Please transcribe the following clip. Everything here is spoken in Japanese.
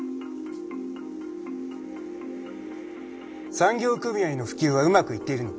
産業組合の普及はうまくいっているのか？